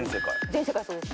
全世界そうですね。